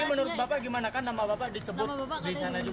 ini menurut bapak gimana kan nama bapak disebut disana juga